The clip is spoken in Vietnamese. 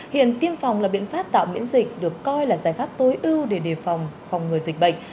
hiện tiêm phòng là biện pháp tạo miễn dịch được coi là giải pháp tối ưu để đề phòng phòng ngừa dịch bệnh